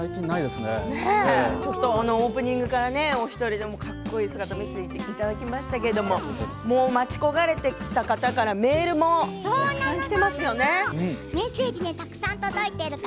オープニングからお一人のかっこいい姿を見せていただきましたけど待ち焦がれていた方からメールもたくさんきていますよ。